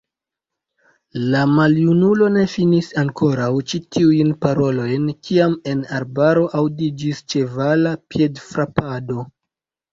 La maljunulo ne finis ankoraŭ ĉi tiujn parolojn, kiam en arbaro aŭdiĝis ĉevala piedfrapado.